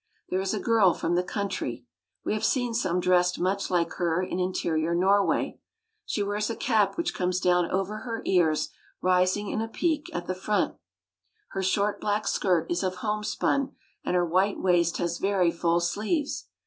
There is a girl from the country. We have seen some dressed much like her in interior Norway. She wears a cap which comes down over her ears, rising in a peak at the front. 184 SCANDINAVIA. Her short black skirt is of homespun, and her white waist has very full sleeves.